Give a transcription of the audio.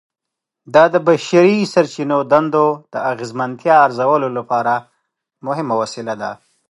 دا د بشري سرچینو دندو د اغیزمنتیا ارزولو لپاره مهمه وسیله ده.